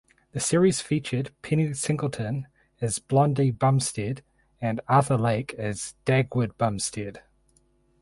The series featured Penny Singleton as Blondie Bumstead and Arthur Lake as Dagwood Bumstead.